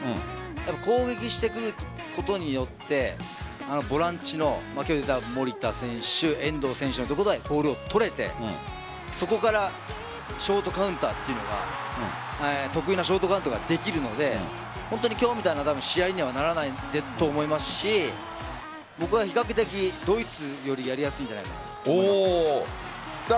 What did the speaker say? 攻撃してくることによってボランチの守田選手遠藤選手のところでボールを取れてそこから得意なショートカウンターができるので今日みたいな試合にはならないと思いますし僕は比較的、ドイツよりやりやすいんじゃないかと思います。